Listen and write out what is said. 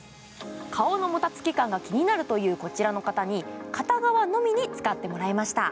顔のもたつき感が気になるというこの方に、片側のみに使ってもらいました。